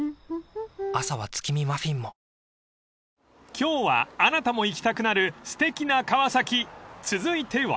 ［今日はあなたも行きたくなるすてきな川崎続いては］